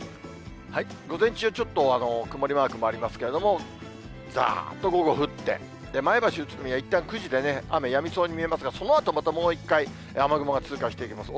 午前中、ちょっと曇りマークもありますけれども、ざーっと午後降って、前橋、宇都宮、いったん、９時で雨、やみそうに見えますが、そのあとまたもう１回、雨雲が通過していきます。